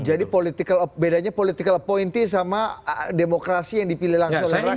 jadi bedanya political appointee sama demokrasi yang dipilih langsung oleh rakyat gitu ya